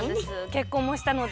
結婚もしたので。